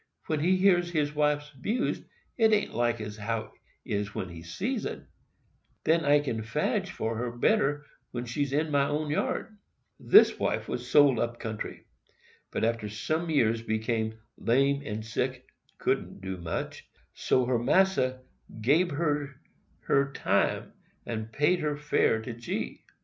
When he hears his wife's 'bused, 't an't like as how it is when he sees it. Then I can fadge for her better than when she's in my own yard." This wife was sold up country, but after some years became "lame and sick—couldn't do much—so her massa gabe her her time, and paid her fare to G."